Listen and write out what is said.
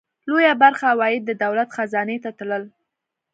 لویه برخه عواید د دولت خزانې ته تلل.